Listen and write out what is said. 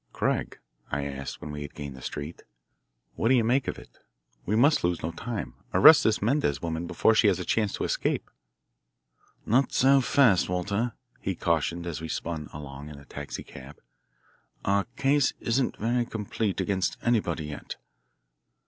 "Craig," I asked when we had gained the street, "what do you make of it? We must lose no time. Arrest this Mendez woman before she has a chance to escape." "Not so fast, Walter," he cautioned as we spun along in a taxicab. "Our case isn't very complete against anybody yet."